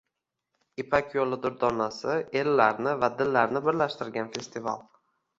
“Ipak yo‘li durdonasi: ellarni va dillarni birlashtirgan festival